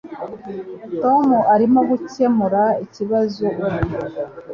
Tom arimo gukemura ikibazo ubu